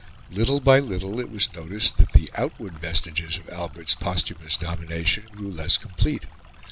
Little by little it was noticed that the outward vestiges of Albert's posthumous domination grew less complete.